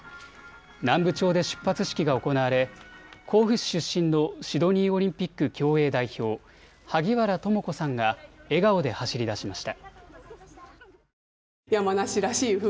南部町で出発式が行われ、甲府市出身のシドニーオリンピック競泳代表、萩原智子さんが笑顔で走りだしました。